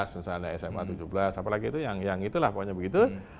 misalnya sma tujuh belas apalagi itu yang itulah pokoknya begitu